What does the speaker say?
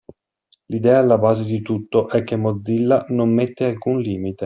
L’idea alla base di tutto è che Mozilla non mette alcun limite.